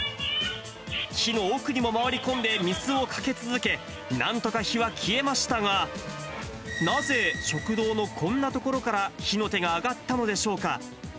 火の奥にも回り込んで水をかけ続け、なんとか火は消えましたが、なぜ食堂のこんな所から火の手が上がったのでしょうか。